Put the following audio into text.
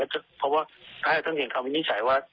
เพราะว่าถ้าให้ท่านเห็นความวิจัยอ่าย